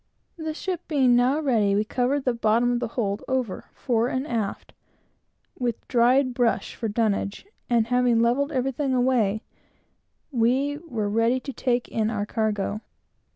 The ship being now ready, we covered the bottom of the hold over, fore and aft, with dried brush for dunnage, and having levelled everything away, we were ready to take in our cargo.